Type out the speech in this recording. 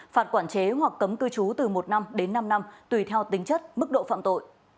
phạt quản chế hoặc cấm cư trú từ một năm đến năm năm tùy theo tính chất mức độ phạm tội